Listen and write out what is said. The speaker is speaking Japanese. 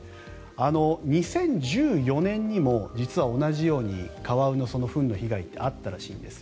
２０１４年にも実は同じようにカワウのフンの被害ってあったらしいんですよ。